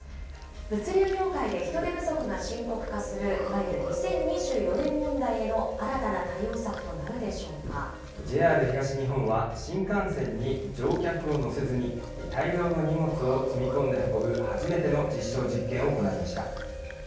物流業界で人手不足が深刻化する、いわゆる２０２４年問題への新たＪＲ東日本は、新幹線に乗客を乗せずに、大量の荷物を積み込んで運ぶ、初めての実証実験を行いました。